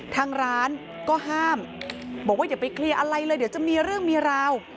ทางร้านก็ห้ามบอกว่าอย่าไปเคลียร์อะไรเลยเดี๋ยวจะมีเรื่องมีราว